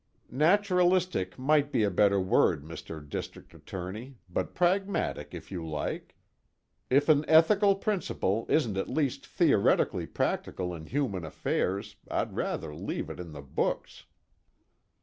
_ "Naturalistic might be a better word, Mr. District Attorney, but pragmatic if you like. If an ethical principle isn't at least theoretically practical in human affairs, I'd rather leave it in the books."